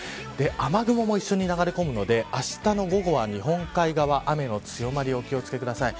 雨雲も一緒に流れ込むのであしたの午後は、日本海側雨の強まりお気を付けください。